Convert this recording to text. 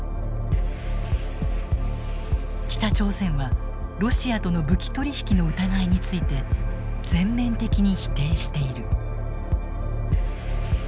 北朝鮮はロシアとの武器取り引きの疑いについて全面的に否定している。